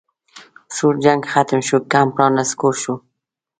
سوړ جنګ ختم شو کمپ رانسکور شو